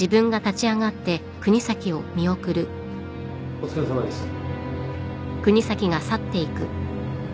お疲れさまでした。